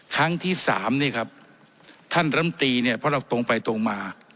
ครั้งที่สามนี่ครับท่านรำตีเนี่ยเพราะเราตรงไปตรงมา